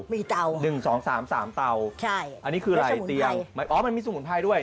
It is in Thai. มีเตาครับใช่แล้วก็สมุนไพรอ๋อมันมีสมุนไพรด้วย